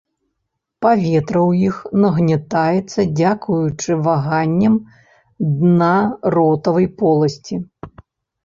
Паветра ў іх нагнятаецца дзякуючы ваганням дна ротавай поласці.